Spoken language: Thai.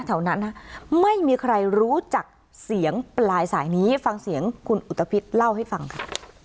แถวนั้นนะไม่มีใครรู้จักเสียงปลายสายนี้ฟังเสียงคุณอุตภิษเล่าให้ฟังค่ะ